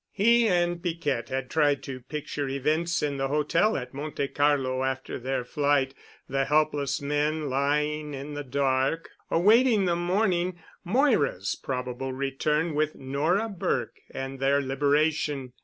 He and Piquette had tried to picture events in the hotel at Monte Carlo after their flight: The helpless men lying in the dark, awaiting the morning, Moira's probable return with Nora Burke and their liberation.